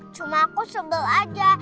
cuma aku sebel aja